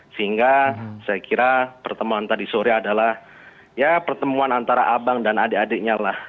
sehingga saya kira pertemuan tadi sore adalah ya pertemuan antara abang dan adik adiknya lah